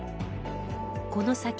この先